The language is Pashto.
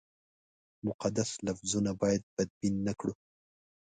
مقدس لفظونه باید بدبین نه کړو.